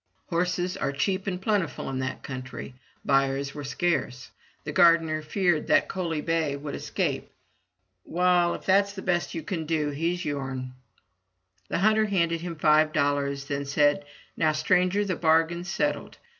221 MY BOOK HOUSE Horses are cheap and plentiful in that country; buyers were scarce. The gardener feared that Coaly bay would escape. Wall, if that's the best you can do, he's youm/' The hunter handed him five dollars, then said :" Now, stranger, the bargain's settled.